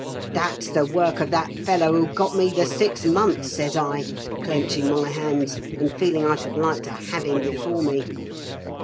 "' That's the work of that fellow who got me the six months 1 ' says I, clenching my hands, and feeling I should like to have him before me.